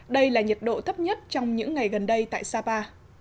đây là nhiệt độ thấp nhất trong những ngày gần đây tại sapa